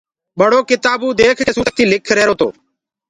ٻڙو ڪتآبوُ ديک ڪي سورتڪتيٚ لک ريهرو تو